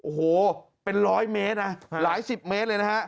โอ้โหเป็นร้อยเมตรนะหลายสิบเมตรเลยนะฮะ